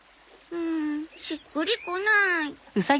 うんしっくりこない。